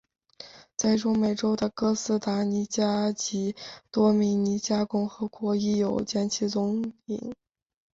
在中美洲的哥斯达尼加及多明尼加共和国亦有见其踪影。